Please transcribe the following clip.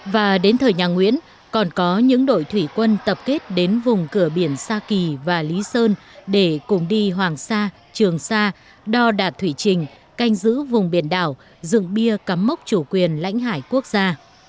và đến thời nhà nguyễn còn có những đội thủy quân tập kết đến vùng cửa biển sa kỳ và lý sơn để cùng đi hoàng sa trường sa đo đạt thủy trình canh giữ vùng biển đảo dựng bia cắm mốc chủ quyền lãnh hải quốc gia